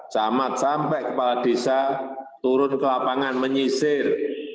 camat sampai kepala desa turun ke lapangan menyisir